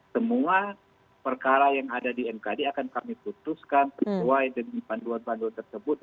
semua perkara yang ada di mkd akan kami putuskan sesuai dengan panduan panduan tersebut